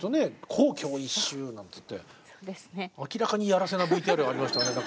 「皇居を一周」なんていって明らかにやらせなＶＴＲがありましたね。